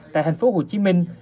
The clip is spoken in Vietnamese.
tại thành phố hồ chí minh